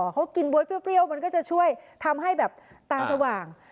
เขากินบ๊วยเปรี้ยวมันก็จะช่วยทำให้แบบตาสว่าง